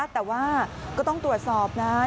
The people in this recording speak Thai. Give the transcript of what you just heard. แต่ว่าก็ต้องตรวจสอบนะ